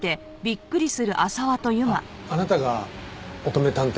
ああなたが乙女探偵？